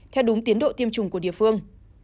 theo đúng tiến độ tiêm chủng của địa phương